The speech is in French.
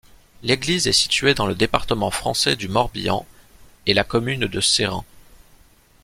L'église est située dans le département français du Morbihan et la commune de Sérent.